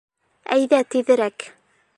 Әйҙә, тиҙерәк.